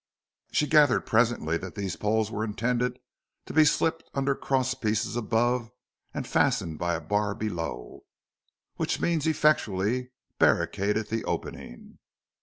She gathered presently that these poles were intended to be slipped under crosspieces above and fastened by a bar below, which means effectually barricaded the opening.